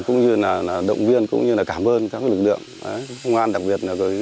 cũng như là động viên cũng như là cảm ơn các lực lượng công an đặc biệt là